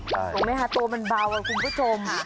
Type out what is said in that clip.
สวยไหมคะตัวมันเบาอ่ะคุณผู้ชม